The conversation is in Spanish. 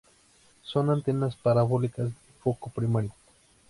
Son antenas parabólicas de foco primario.